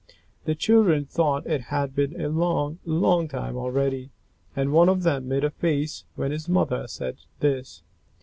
The children thought it had been a long, long time already, and one of them made a face when his mother said this.